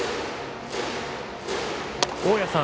大矢さん